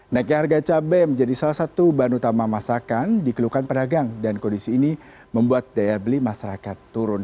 naiknya harga cabai menjadi salah satu bahan utama masakan dikeluhkan pedagang dan kondisi ini membuat daya beli masyarakat turun